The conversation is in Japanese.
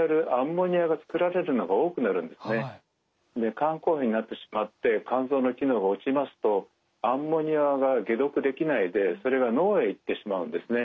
肝硬変になってしまって肝臓の機能が落ちますとアンモニアが解毒できないでそれが脳へ行ってしまうんですね。